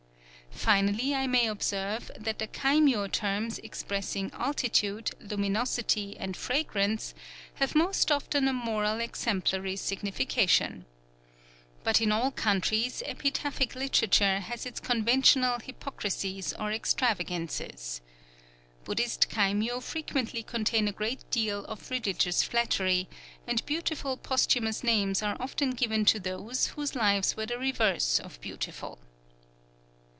Finally I may observe that the kaimyō terms expressing altitude, luminosity, and fragrance, have most often a moral exemplary signification. But in all countries epitaphic literature has its conventional hypocrisies or extravagances. Buddhist kaimyō frequently contain a great deal of religious flattery; and beautiful posthumous names are often given to those whose lives were the reverse of beautiful.